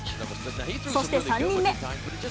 そして、３人目。